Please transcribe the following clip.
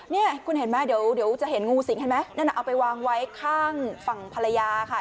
นี่คุณเห็นไหมเดี๋ยวจะเห็นงูสิงเห็นไหมนั่นน่ะเอาไปวางไว้ข้างฝั่งภรรยาค่ะ